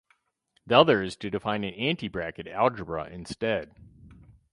The other is to define an antibracket algebra instead.